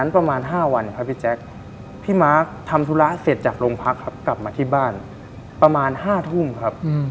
ประมาณ๕ทุ่มครับ